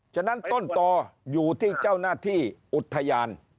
ฉะนั้นต้นต่ออยู่ที่เจ้าหน้าที่อุทยาน